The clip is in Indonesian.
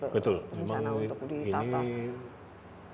bencana untuk ditata